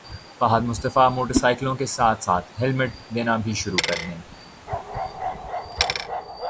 Fahad Mustafa motor سائیکلوں کے ساتھ ہیلمٹ دینا بھی شروع کردیں